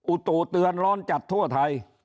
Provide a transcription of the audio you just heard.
อุตุเตือนร้อนจัดทั่วไทย